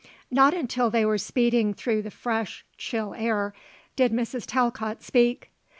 Not until they were speeding through the fresh, chill air, did Mrs. Talcott speak.